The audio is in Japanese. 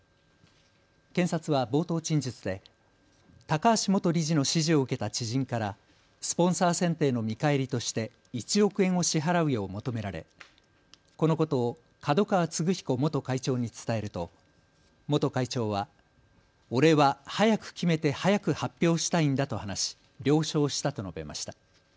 検察は冒頭陳述で高橋元理事の指示を受けた知人からスポンサー選定の見返りとして１億円を支払うよう求められこのことを角川歴彦元会長に伝えると元会長は俺は早く決めて早く発表したいんだと話し了承したと述べました。